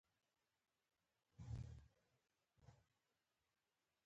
چې خادم غوړولې وه، کېناست، کوټه تیاره وه.